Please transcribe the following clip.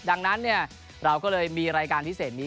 ดังนั้นเราก็เลยมีรายการพิเศษนี้